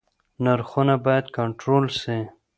نرخونه بايد کنټرول سي.